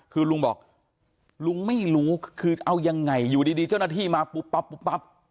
คือลุงบอกลุงไม่รู้คือเอายังไงอยู่ดีเจ้าหน้าที่มาปุ๊บปั๊บปุ๊บปั๊บ